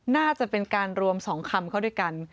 น่าจะเป็นการรวม๒คำเข้าด้วยกัน